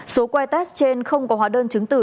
số que test trên không có hóa đơn chứng tử